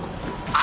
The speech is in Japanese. あ！